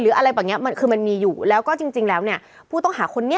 อะไรแบบนี้มันคือมันมีอยู่แล้วก็จริงแล้วเนี่ยผู้ต้องหาคนนี้